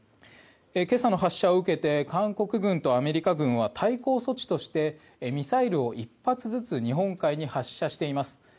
今朝の発射を受けて韓国軍とアメリカ軍は対抗措置としてミサイルを１発ずつ日本海に発射しています。